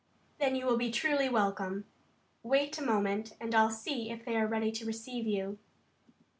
"Then you will be truly welcome. Wait a moment and I'll see if they are ready to receive you."